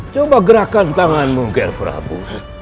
coba gerakan tanganmu gher prabu